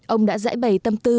ông đã giải bày tâm tư